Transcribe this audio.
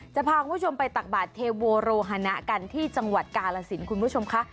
จะพาคุณผู้ชมไปตักบาทเทโวโรฮนะกันที่จังหวัดกาลสินคุณผู้ชมค่ะ